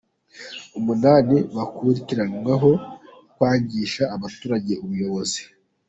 Umunani bakurikiranweho kwangisha abaturage ubuyobozi